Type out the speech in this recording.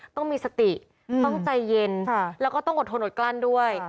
ต้องมีสติต้องใจเย็นแล้วก็ต้องอดทนอดกลั้นด้วย